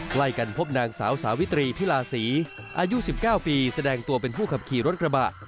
ใกล้กันพบนางสาวสาวิตรีพิลาศรีอายุ๑๙ปีแสดงตัวเป็นผู้ขับขี่รถกระบะ